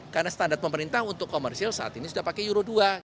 karena standar pemerintah untuk komersil saat ini sudah pakai euro dua